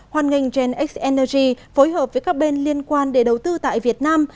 hoan nghênh genx energy phối hợp với các bên liên quan để đầu tư tại việt nam